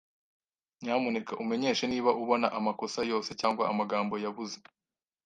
Nyamuneka umenyeshe niba ubona amakosa yose cyangwa amagambo yabuze.